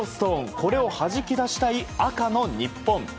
これをはじき出したい、赤の日本。